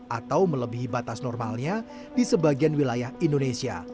atau melebihi batas normalnya di sebagian wilayah indonesia